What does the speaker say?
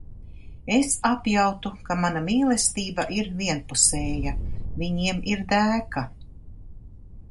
Es apjautu, ka mana mīlestība ir vienpusēja. Viņiem ir dēka.